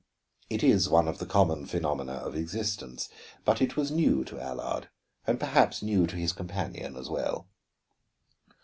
It is one of the common phenomena of existence, but it was new to Allard, and perhaps new to his companion as well.